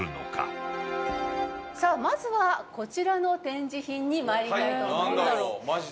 さあまずはこちらの展示品にまいりたいと思います。